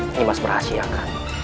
ini mas merahasiakan